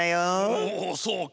おおそうか。